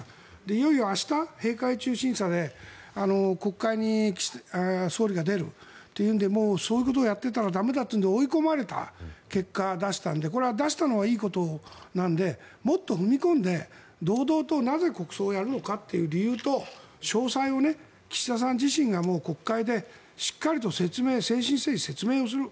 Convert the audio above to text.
いよいよ明日、閉会中審査で国会に総理が出るというのでそういうことをやっていたら駄目だということで追い込まれた結果出したんでこれは出したのはいいことなのでもっと踏み込んで堂々となぜ国葬をやるのかという理由と詳細を、岸田さん自身が国会でしっかりと誠心誠意説明する。